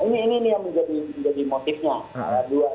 ini yang menjadi motifnya